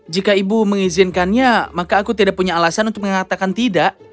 jika ibu mengizinkannya maka aku tidak punya alasan untuk mengatakan tidak